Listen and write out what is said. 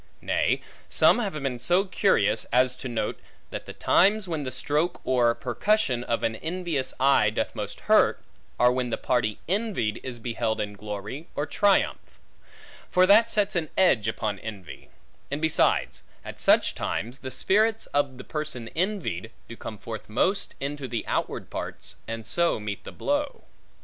Nay, some have been so curious, as to note, that the times when the stroke or percussion of an envious eye doth most hurt, are when the party envied is beheld in glory or triumph; for that sets an edge upon envy: and besides, at such times the spirits of the person envied, do come forth most into the outward parts, and so meet the blow.